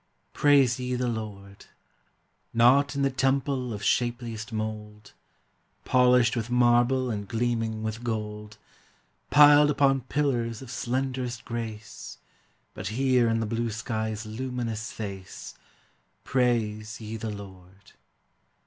Praise ye the Lord! Not in the temple of shapeliest mould, Polished with marble and gleaming with gold, Piled upon pillars of slenderest grace, But here in the blue sky's luminous face, Praise ye the Lord!